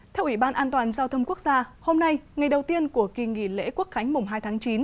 theo ủy ban an toàn giao thông quốc gia hôm nay ngày đầu tiên của kỳ nghỉ lễ quốc khánh mùng hai tháng chín